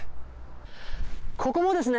ここもですね。